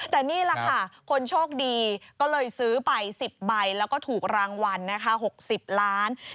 แต่นี่แหละค่ะคนโชคดีก็เลยซื้อไป๑๐ใบแล้วก็ถูกรางวัลนะคะ๖๐ล้าน